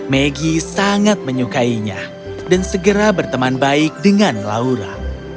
maggie sangat menyukainya dan segera berteman baik dengan laura